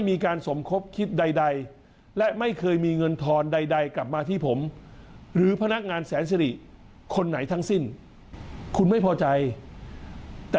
ไม่ยอมไปซื้อที่ดินเขา